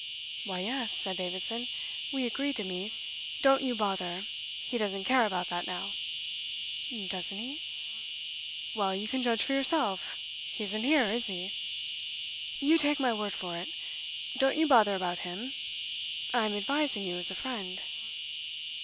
"Why, yes," said Davidson. "We agreed to meet " "Don't you bother. He doesn't care about that now." "Doesn't he?" "Well, you can judge for yourself. He isn't here, is he? You take my word for it. Don't you bother about him. I am advising you as a friend."